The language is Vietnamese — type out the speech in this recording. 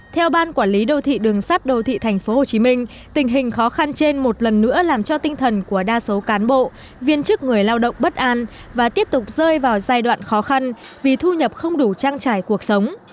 theo ban quản lý đô thị đường sắt đô thị tp hcm tình hình khó khăn trên một lần nữa làm cho tinh thần của đa số cán bộ viên chức người lao động bất an và tiếp tục rơi vào giai đoạn khó khăn vì thu nhập không đủ trang trải cuộc sống